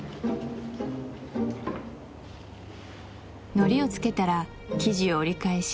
のりをつけたら生地を折り返し